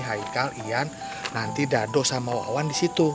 haikal ian nanti dado sama wawan di situ